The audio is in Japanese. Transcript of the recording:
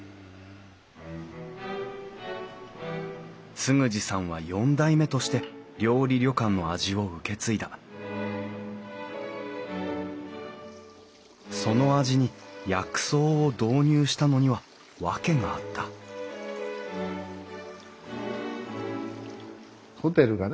嗣二さんは４代目として料理旅館の味を受け継いだその味に薬草を導入したのには訳があったホテルがね